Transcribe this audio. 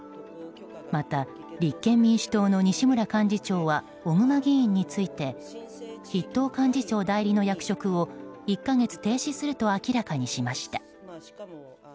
また、立憲民主党の西村幹事長が小熊議員について筆頭幹事長代理の役割を１か月停止すると明らかにしました。